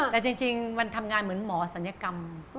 แต่จริงมันทำงานเหมือนหมอศัลยกรรม